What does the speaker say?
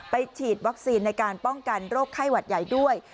ฉีดวัคซีนในการป้องกันโรคไข้หวัดใหญ่ด้วย